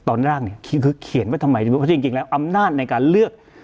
ตอนแรกเนี่ยคือเขียนไว้ทำไมเพราะจริงแล้วอำนาจในการเลือก